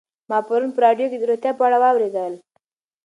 ما پرون په راډیو کې د روغتیا په اړه واورېدل.